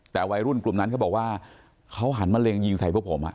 แต่วัยรุ่นกลุ่มนั้นเขาบอกว่าเขาหันมะเร็งยิงใส่พวกผม